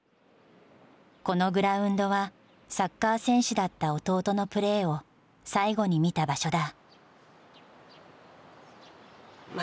このグラウンドは、サッカー選手だった弟のプレーを最後に見た場所だ。